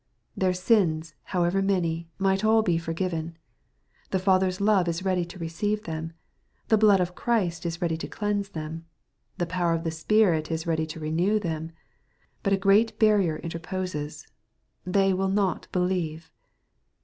Their sins, however many, might all be forgiven. The Father's love is ready to receive them. The blood of Christ is ready to cleanse them. The power of the Spirit is ready to renew them. But a great barrier interposes ;— they will not believe.